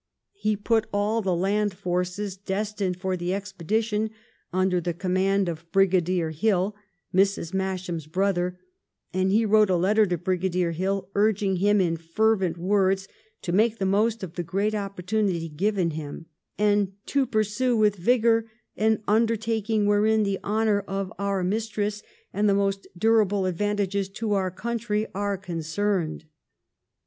He put all the land forces destined for the expedition under the command of Brigadier Hill, Mrs. Masham's brother, and he wrote a letter to Brigadier Hill urging him in fervent words to make the most of the great opportunity given him, and ' to pursue with vigour an undertaking wherein the honour of our Mistress and the most durable advantages to our country are concerned.'